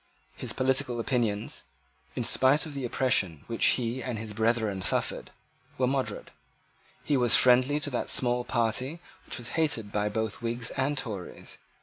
His political opinions, in spite of the oppression which he and his brethren had suffered, were moderate. He was friendly to that small party which was hated by both Whigs and Tories.